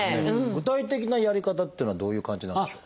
具体的なやり方っていうのはどういう感じなんでしょう？